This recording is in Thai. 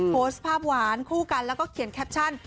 โพสต์ภาพหวานคู่กันแล้วก็เขียนแคปชั่น